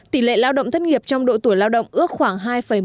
tỷ lệ lao động thất nghiệp trong độ tuổi lao động ước khoảng hai một mươi ba